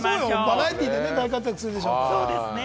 バラエティーで活躍するでしょう。